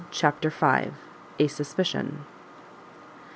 CHAPTER v. A SUSPICION.